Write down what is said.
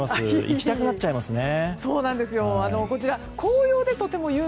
行きたくなっちゃいますね。